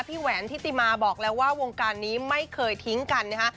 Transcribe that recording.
แหวนทิติมาบอกแล้วว่าวงการนี้ไม่เคยทิ้งกันนะฮะ